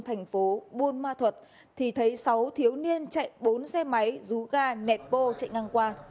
thành phố buôn ma thuật thì thấy sáu thiếu niên chạy bốn xe máy rú ga nẹp bô chạy ngang qua